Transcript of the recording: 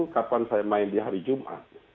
kapan saya main di hari jumat